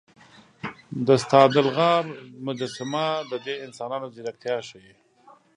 د ستادل غار مجسمه د دې انسانانو ځیرکتیا ښيي.